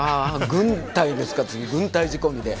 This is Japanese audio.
軍隊ですか次軍隊仕込みで。